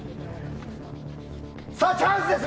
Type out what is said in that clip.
さあ、チャンスです！